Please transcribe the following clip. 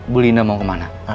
bu linda mau kemana